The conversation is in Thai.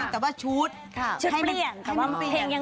แต่ว่าชุดให้มันเปลี่ยน